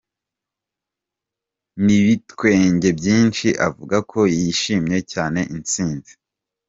N'ibitwenge byinshi avuga ko yishimiye cyane intsinzi.